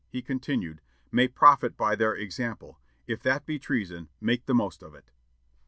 he continued, "may profit by their example. If that be treason, make the most of it."